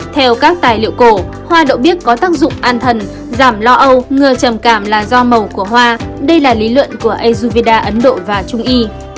theo các tài liệu cổ hoa đậu biếc có tác dụng an thần giảm lo âu ngừa trầm cảm là do màu của hoa đây là lý luận của azuvida ấn độ và trung y